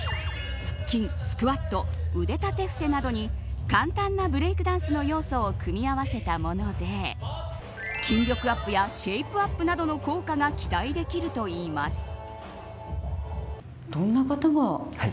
腹筋、スクワット腕立て伏せなどに簡単なブレイクダンスの要素を組み合わせたもので筋力アップやシェイプアップなどの効果が期待できるといいます。